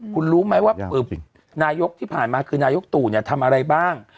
คุณรู้ไหมว่านายกที่ผ่านมาคือนายกตู่ทำอะไรบ้าง